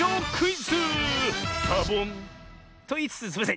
サボン！といいつつすいません。